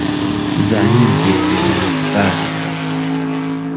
زانیم دەیەوێ منەتبارم کا